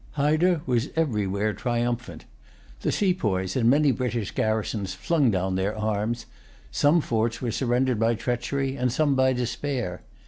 Hyder was everywhere triumphant. The sepoys in many British garrisons flung down their arms. Some forts were surrendered by treachery, and some by despair.